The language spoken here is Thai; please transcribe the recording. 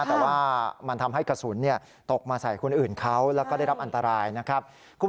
แต่ว่ามันทำให้กระสุนตกมาใส่คนอื่นเขาแล้วก็ได้รับอันตรายนะครับ